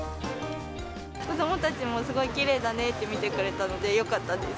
子どもたちもすごいきれいだねって見てくれたので、よかったです。